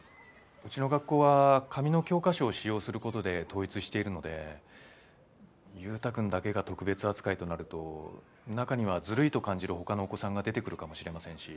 うちの学校は紙の教科書を使用する事で統一しているので優太くんだけが特別扱いとなると中にはずるいと感じる他のお子さんが出てくるかもしれませんし。